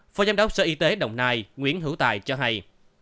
phó giám đốc sở y tế đồng nai nguyễn hữu tài cho hay